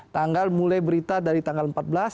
tanggal mulai berita dari tanggal empat belas